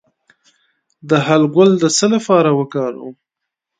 د هل ګل د څه لپاره وکاروم؟